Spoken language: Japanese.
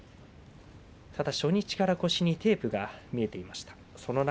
ただ、初日から腰にテープが見えます。